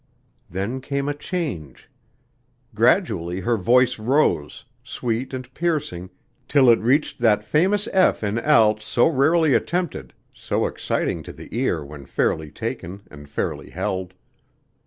Then came a change. Gradually her voice rose, sweet and piercing, till it reached that famous F in alt so rarely attempted, so exciting to the ear when fairly taken and fairly held.